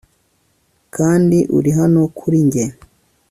Kandi uri hano kuri njye